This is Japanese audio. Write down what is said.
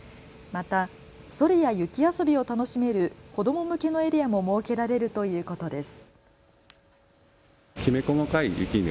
またソリや雪遊びを楽しめる子ども向けのエリアも設けられるということです。